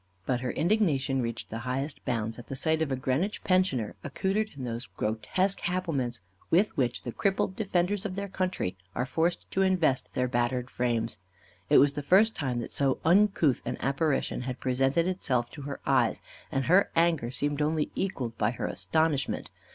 But her indignation reached the highest bounds at the sight of a Greenwich pensioner accoutred in those grotesque habiliments with which the crippled defenders of their country are forced to invest their battered frames. It was the first time that so uncouth an apparition had presented itself to her eyes, and her anger seemed only equalled by her astonishment.